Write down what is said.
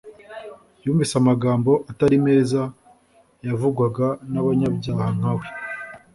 yumvise amagambo atari meza yavugwaga n’abanyabyaha nka we